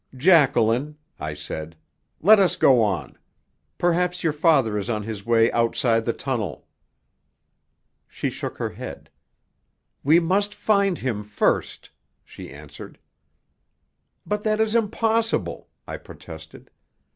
"Jacqueline," I said, "let us go on. Perhaps your father is on his way outside the tunnel." She shook her head. "We must find him first," she answered. "But that is impossible," I protested.